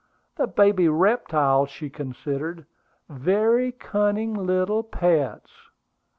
The baby reptiles she considered "very cunning little pets."